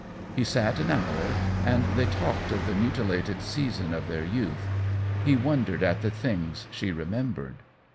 He sat an hour, and they talked of the mu tilated season of their youth ; he wondered at the things she remembered.